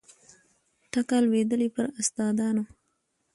ټکه لوېدلې پر استادانو